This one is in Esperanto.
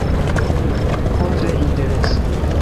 Ho, tre interese